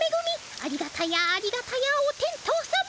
ありがたやありがたやおてんとさま！